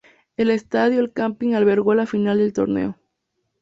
El estadio El Campín albergó la final del torneo.